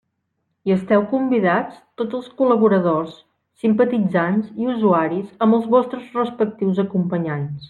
Hi esteu convidats tots els col·laboradors, simpatitzants i usuaris amb els vostres respectius acompanyants.